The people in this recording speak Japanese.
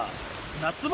夏場